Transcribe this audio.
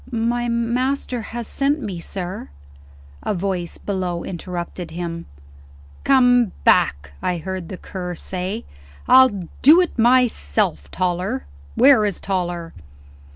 "My master has sent me, sir " A voice below interrupted him. "Come back," I heard the Cur say; "I'll do it myself. Toller! where is Toller?"